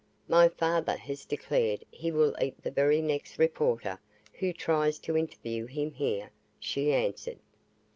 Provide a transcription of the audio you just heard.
"My father has declared he will eat the very next reporter who tries to interview him here," she answered.